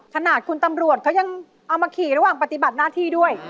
ขนาดคุณตำรวจเขายังเอามาขี่ระหว่างปฏิบัติหน้าที่ด้วย